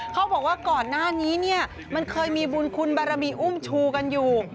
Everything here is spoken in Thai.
เขาบอกว่าก่อนหน้านี้เนี่ยมันเคยมีบุญคุณบารมีอุ้มชูกันอยู่